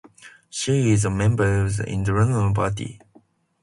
She is a member of the Independence Party.